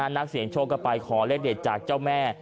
นักเสียงโชคก็ไปขอเลขเด็ดจากเจ้าแม่